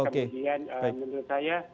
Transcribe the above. kemudian menurut saya